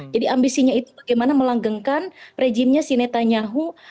jadi ambisinya itu bagaimana melanggengkan rejimnya si netanyahu